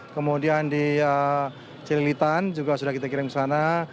kemudian di cililitan juga sudah kita kirim ke sana